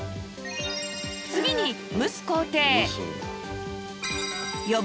次に蒸す工程